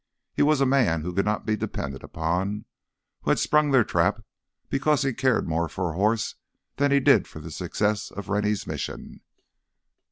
He was a man who could not be depended upon, who had sprung their trap because he cared more for a horse than he did for the success of Rennie's mission.